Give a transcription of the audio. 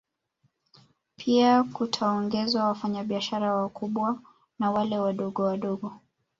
Pia kutaongeza wafanya biashara wakubwa na wale wadogowadogo